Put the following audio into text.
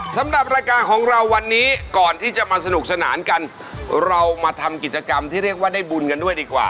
สำหรับรายการของเราวันนี้ก่อนที่จะมาสนุกสนานกันเรามาทำกิจกรรมที่เรียกว่าได้บุญกันด้วยดีกว่า